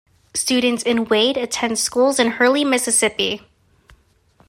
Students in Wade attend schools in Hurley, Mississippi.